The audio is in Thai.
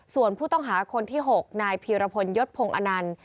ส่วนผู้ต้องหาคนที่๖นายพีรพลยศพงศ์อนันต์